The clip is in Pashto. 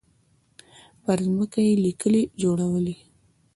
پر ځمکه يې ليکې جوړولې.